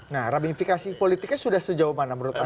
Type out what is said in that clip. nah rabifikasi politiknya sudah sejauh mana menurut anda